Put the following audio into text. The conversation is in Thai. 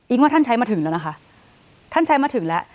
ว่าท่านใช้มาถึงแล้วนะคะท่านใช้มาถึงแล้ว